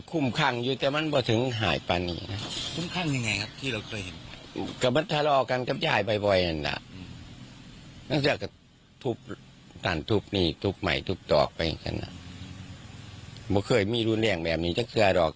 หมายตรุบต่อไปอย่างนั้นไม่เคยมีรูลเลี่ยงแบบนี้คือหรอก